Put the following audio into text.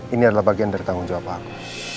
ini adalah bagian dari tanggung jawab aku